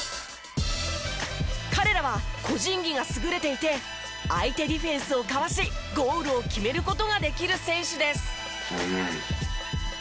彼らは個人技が優れていて相手ディフェンスをかわしゴールを決める事ができる選手です。